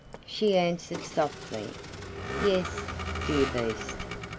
She answered softly, "Yes, dear Beast."